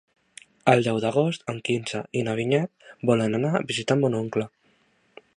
El deu d'agost en Quirze i na Vinyet volen anar a visitar mon oncle.